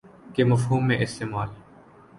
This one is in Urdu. کے مفہوم میں استعمال